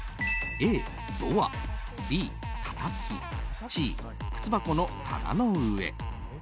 Ａ、ドアＢ、たたきＣ、靴箱の棚の上。